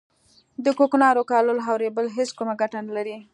د کوکنارو کرل او رېبل هیڅ کومه ګټه نه کوي